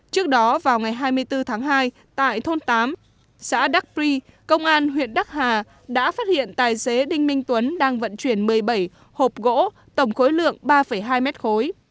trước đó vào ngày hai mươi bốn tháng hai tại thôn tám xã đắc ri công an huyện đắc hà đã phát hiện tài xế đinh minh tuấn đang vận chuyển một mươi bảy hộp gỗ tổng khối lượng ba hai mét khối